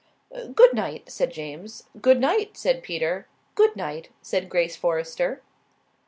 "Good night," said James. "Good night," said Peter. "Good night," said Grace Forrester.